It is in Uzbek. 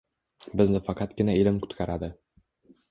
Bizni faqatgina ilm qutqaradi.